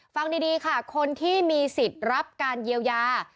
ฟังดีค่ะคนที่มีสิทธิ์รับการเยียวยา